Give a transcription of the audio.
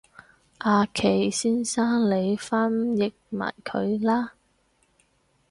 阿祁先生你翻譯埋佢啦